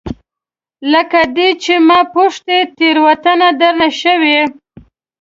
لکه دی چې ما پوښتي، تیروتنه درنه شوې؟